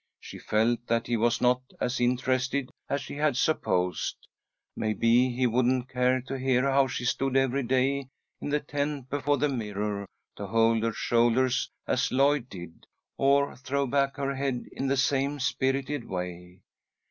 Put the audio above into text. She felt that he was not as interested as she had supposed. Maybe he wouldn't care to hear how she stood every day in the tent before the mirror, to hold her shoulders as Lloyd did, or throw back her head in the same spirited way.